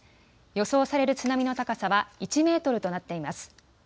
予想される津波の高さは１メートルとなっています。